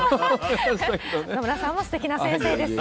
野村さんはすてきな先生ですよ。